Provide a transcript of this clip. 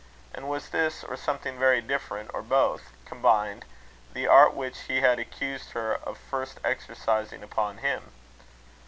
And was this, or something very different, or both combined, the art which he had accused her of first exercising upon him?